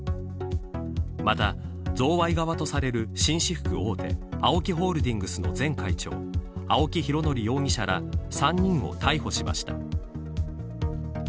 また、贈賄側とされる紳士服大手ＡＯＫＩホールディングスの前会長青木拡憲容疑者ら３人を逮捕しました。